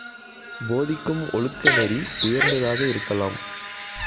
போதிக்கும் ஒழுக்க நெறி உயர்ந்ததாக இருக்கலாம்.